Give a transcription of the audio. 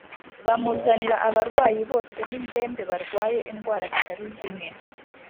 bamuzanira abarwayi bose n’indembe barwaye indwara zitari zimwe